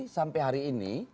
sampai hari ini